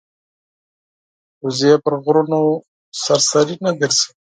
وزې پر غرونو سرسري نه ګرځي